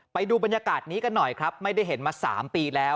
ไปดูบรรยากาศนี้กันหน่อยครับไม่ได้เห็นมา๓ปีแล้ว